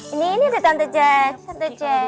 ini ini ada tante jess